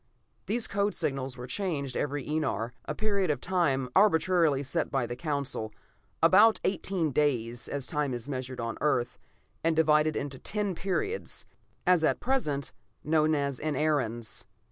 These code signals were changed every enar, a period of time arbitrarily set by the Council; about eighteen days, as time is measured on the Earth, and divided into ten periods, as at present, known as enarens.